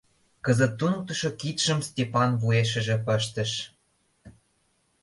Кызыт туныктышо кидшым Степан вуешыже пыштыш.